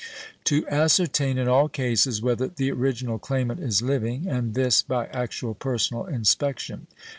To ascertain in all cases whether the original claimant is living and this by actual personal inspection.